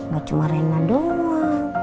gak cuma rena doang